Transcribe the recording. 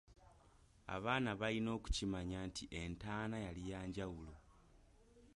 Abaana balina okukimanya nti entaana yali ya njawulo.